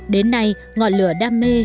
đến nay ngọn lửa đam mê